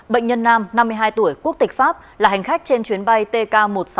bệnh nhân nam năm mươi hai tuổi quốc tịch pháp là hành khách trên chuyến bay tk một trăm sáu mươi